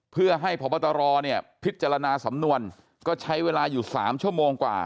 เพื่อให้พบตรเนี่ยพิจารณาสำนวนก็ใช้เวลาอยู่๓ชั่วโมงกว่า